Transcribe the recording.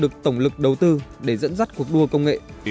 cũng là đầu tư để dẫn dắt cuộc đua công nghệ